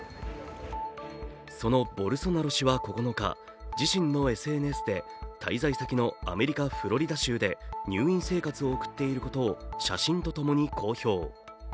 そのボルソナロ氏は９日、自身のＳＮＳで滞在先のアメリカ・フロリダ州で入院生活を送っていることを写真と共に公表。